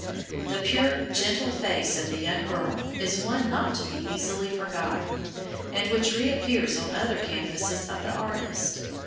The pure, gentle face of the young girl is one not to be easily forgotten, and which reappears on other canvases of the artist.